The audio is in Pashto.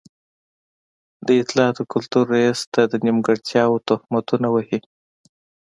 د اطلاعاتو او کلتور رئيس ته د نیمګړتيا تهمتونه وهي.